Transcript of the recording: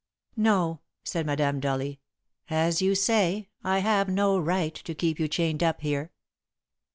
"No," said Madame, dully. "As you say, I have no right to keep you chained up here."